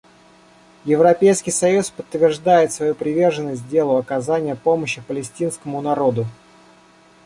Европейский союз подтверждает свою приверженность делу оказания помощи палестинскому народу.